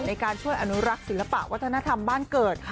ในการช่วยอนุรักษ์ศิลปะวัฒนธรรมบ้านเกิด